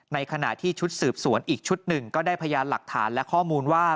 ในขณะที่ชุดสืบสวนอีกชุดหนึ่งก็ได้พยานหลักฐานและข้อมูลว่า